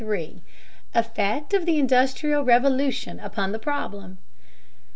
EFFECT OF THE INDUSTRIAL REVOLUTION UPON THE PROBLEM.